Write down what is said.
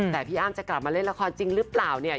แต่พี่อ้ำจะกลับมาเล่นละครจริงหรือเปล่าเนี่ย